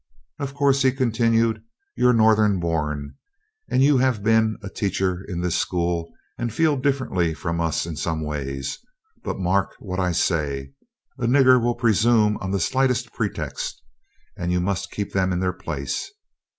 "Of course," he continued, "you're Northern born and you have been a teacher in this school and feel differently from us in some ways; but mark what I say, a nigger will presume on the slightest pretext, and you must keep them in their place.